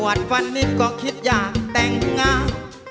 ฟันนิดก็คิดอยากแต่งงาน